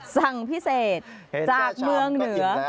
สั่งพิเศษจากเมืองเหนือ